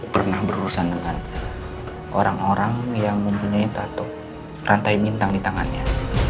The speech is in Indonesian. pernah berurusan dengan orang orang yang mempunyai rantai bintang di tangannya